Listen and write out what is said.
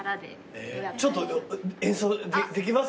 ちょっと演奏できます？